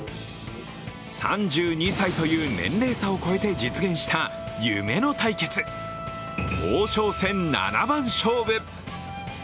３２歳という年齢差を超えて実現した夢の対決、王将戦七番勝負。